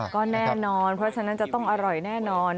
ก็แน่นอนเพราะฉะนั้นจะต้องอร่อยแน่นอน